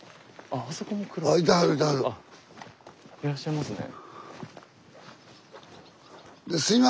あいらっしゃいますね。